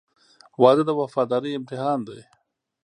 • واده د وفادارۍ امتحان دی.